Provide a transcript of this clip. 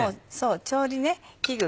調理器具